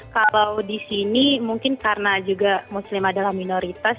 kalau di sini mungkin karena juga muslim adalah minoritas